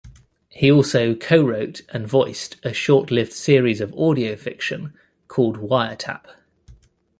He also co-wrote and voiced a short-lived series of audio fiction called "Wiretap".